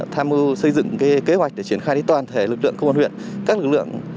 tham mưu xây dựng kế hoạch để triển khai đến toàn thể lực lượng công an huyện